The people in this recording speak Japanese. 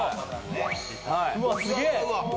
うわっすげえ！